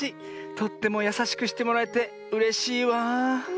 とってもやさしくしてもらえてうれしいわあ。